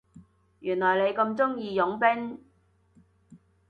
原來你咁鍾意傭兵